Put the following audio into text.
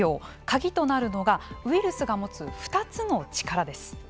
鍵となるのがウイルスが持つ２つの力です。